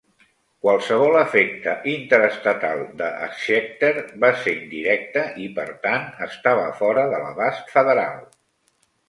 Qualsevol efecte interestatal de Schechter va ser indirecte i, per tant, estava fora de l'abast federal.